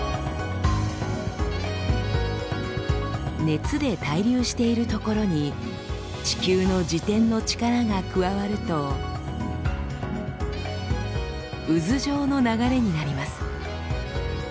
熱で対流しているところに地球の自転の力が加わると渦状の流れになります。